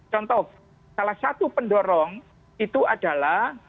contoh salah satu pendorong itu adalah